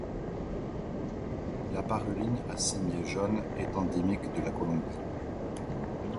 La Paruline à cimier jaune est endémique de la Colombie.